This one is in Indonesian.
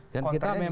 dan kita memang